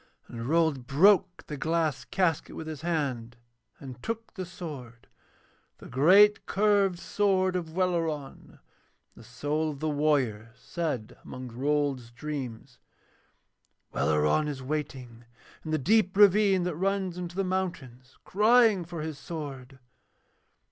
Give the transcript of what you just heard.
And Rold broke the glass casket with his hand and took the sword, the great curved sword of Welleran; and the soul of the warrior said among Rold's dreams: 'Welleran is waiting in the deep ravine that runs into the mountains, crying for his sword.'